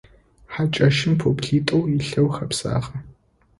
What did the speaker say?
Хьакӏэщым пӏоблитӏу илъэу хэбзагъэ.